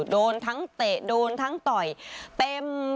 โดนทั้งเตะโดนทั้งต่อยเต็ม